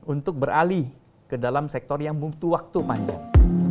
untuk beralih ke dalam sektor yang butuh waktu panjang